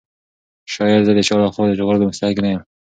شاید زه د چا له خوا د ژغورلو مستحق نه یم.